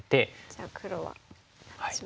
じゃあ黒は打ちますね。